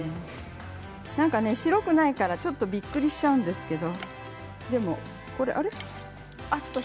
白くないからちょっとびっくりしちゃうんですけれど。